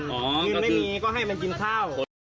กินไม่มีก็ให้มันกินข้าว